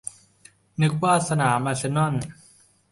- นึกว่าสนามอาร์เซนอล